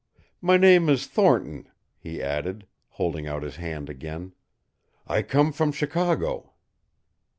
My name is Thornton," he added, holding out his hand again. "I come from Chicago."